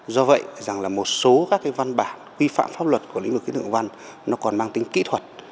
do vậy một số các văn bản quy phạm pháp luật của lĩnh vực khí tượng thủy văn còn mang tính kỹ thuật